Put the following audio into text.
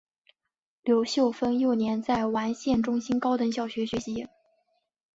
刘秀峰幼年在完县中心高等小学学习。